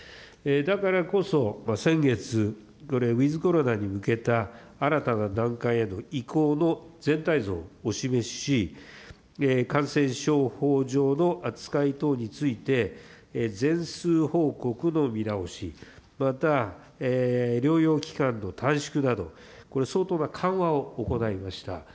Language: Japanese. だからこそ、先月、ウィズコロナに向けた新たな段階への移行の全体像をお示しし、感染症法上の扱い等について、全数報告の見直し、また、療養期間の短縮など、これ、相当な緩和を行いました。